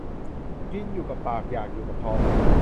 กินอยู่กับปากอยากอยู่กับท้อง